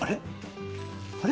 あれ？